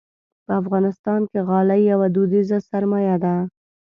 په افغانستان کې غالۍ یوه دودیزه سرمایه ده.